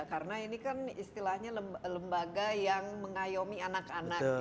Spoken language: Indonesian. karena ini kan istilahnya lembaga yang mengayomi anak anak